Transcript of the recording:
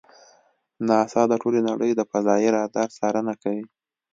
ناسا د ټولې نړۍ د فضایي رادار څارنه کوي.